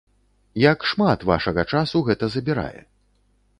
Як шмат вашага часу гэта забірае?